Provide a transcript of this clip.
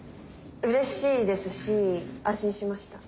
うれしいですし安心しました。